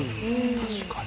確かに。